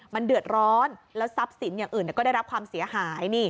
มันเดือดร้อนแล้วทรัพย์สินอย่างอื่นก็ได้รับความเสียหาย